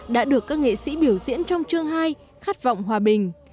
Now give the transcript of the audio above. đã được các nghệ sĩ biểu diễn trong chương hai khát vọng hòa bình